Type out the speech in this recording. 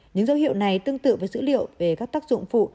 những dấu hiệu này tương tự với dữ liệu về các tác dụng phụ